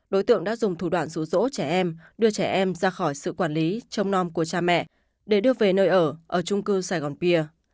đối tượng đã dùng thủ đoạn rủ rỗ trẻ em đưa trẻ em ra khỏi sự quản lý trông non của cha mẹ để đưa về nơi ở ở trung cư sài gòn pìa